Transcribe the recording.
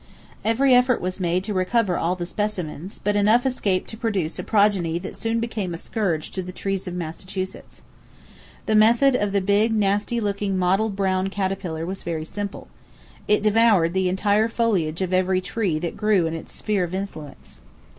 Every effort was made to recover all the specimens, but enough escaped to produce progeny that soon became a scourge to the trees of Massachusetts. The method of the big, nasty looking mottled brown caterpillar was very simple. It devoured the entire foliage of every tree that grew in its sphere of influence.